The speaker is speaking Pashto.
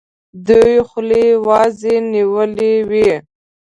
دوی خولې وازي نیولي وي.